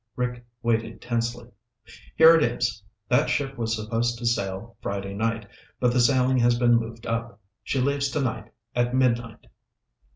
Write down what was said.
Rick waited tensely. "Here it is. That ship was supposed to sail Friday night, but the sailing has been moved up. She leaves tonight at midnight."